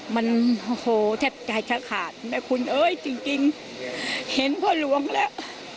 มันโอ้โหแทบใจจะขาดแม่คุณเอ้ยจริงเห็นพ่อหลวงแล้ว